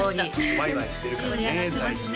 ワイワイしてるからね